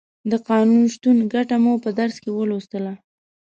د قانون شتون ګټه مو په درس کې ولوستله.